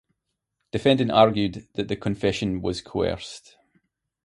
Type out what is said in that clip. Defendant argued that the confession was coerced.